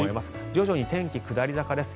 徐々に天気、下り坂です。